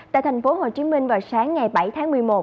tại thành phố hồ chí minh vào sáng ngày bảy tháng một mươi một